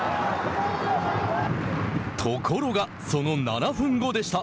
ところが、その７分後でした。